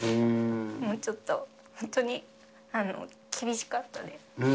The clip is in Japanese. もうちょっと、本当に厳しかったです。